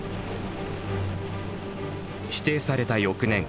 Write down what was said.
指定された翌年。